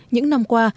những năm qua